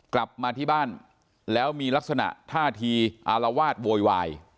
กลับมาที่บ้านแล้วมีลักษณะท่าทีอารวาสโวยวาย